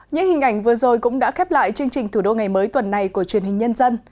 những hình ảnh vừa rồi cũng đã khép lại chương trình thủ đô ngày mới tuần này của truyền hình nhân dân